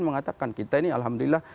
mengatakan kita ini alhamdulillah